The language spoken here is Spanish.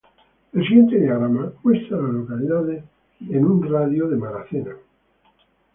El siguiente diagrama muestra a las localidades en un radio de de Silver City.